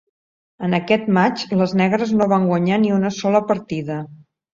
En aquest matx, les negres no van guanyar ni una sola partida.